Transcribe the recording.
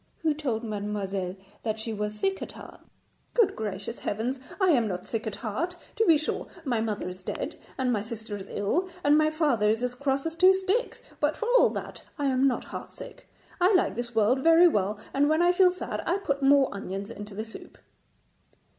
Who told mademoiselle that she was sick at heart?' 'Good gracious heavens! I am not sick at heart. To be sure my mother is dead, and my sister is ill, and my father is as cross as two sticks, but for all that I am not heart sick. I like this world very well, and when I feel sad I put more onions into the soup.'